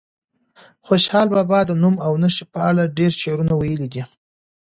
خوشحال بابا د نوم او نښې په اړه ډېر شعرونه ویلي دي.